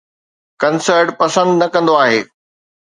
concert پسند نه ڪندو آهي